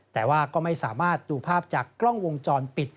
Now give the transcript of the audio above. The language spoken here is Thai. แต่ว่าก็ไม่สามารถดูภาพจากกล้องวงจรปิด